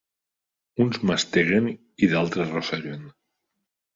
Uns masteguen i d'altres roseguen.